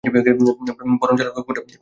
বরন জেলা কোটা বিভাগের একটি অংশ।